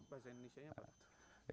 bahasa indonesia apa